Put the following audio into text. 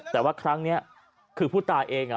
แต่ว่าครั้งนี้คือผู้ตายเอง